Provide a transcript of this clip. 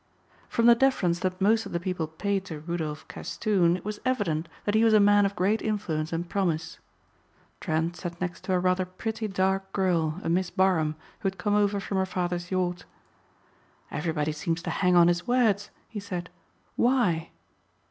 From the deference that most of the people paid to Rudolph Castoon it was evident that he was a man of great influence and promise. Trent sat next to a rather pretty dark girl, a Miss Barham, who had come over from her father's yacht. "Everybody seems to hang on his words," he said. "Why?"